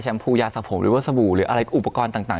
แชมพูยาสะผมและวัวสบู่อุปกรณ์ต่าง